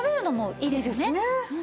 いいですね。